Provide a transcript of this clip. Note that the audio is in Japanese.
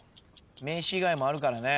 名詞以外もあるからね。